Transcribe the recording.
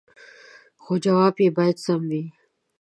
خو جواب يې باید سم وي